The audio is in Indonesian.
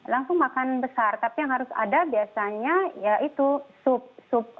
langsung makan besar tapi yang harus ada biasanya ya itu sup sup